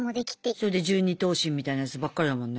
それで１２頭身みたいなやつばっかりだもんね。